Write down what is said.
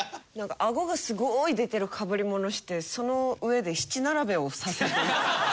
あごがすごい出てるかぶり物してその上で七並べをさせていく。